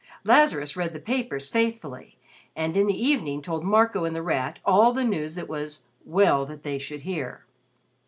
Lazarus read the papers faithfully, and in the evening told Marco and The Rat all the news it was "well that they should hear."